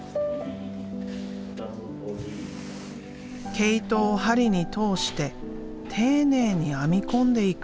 毛糸を針に通して丁寧に編み込んでいく。